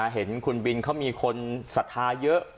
เห็นคุณบินเขามีคนศรัทธาเยอะ